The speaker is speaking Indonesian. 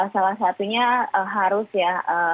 salah satunya harus ya